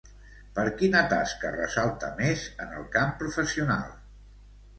Per quina tasca ressalta més en el camp professional?